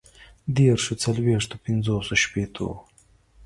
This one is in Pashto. ديرشو، څلويښتو، پنځوسو، شپيتو